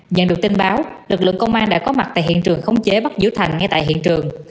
nhận được tin báo lực lượng công an đã có mặt tại hiện trường khống chế bắt giữ thành ngay tại hiện trường